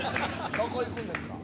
・どこ行くんですか？